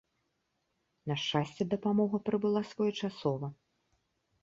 На шчасце, дапамога прыбыла своечасова.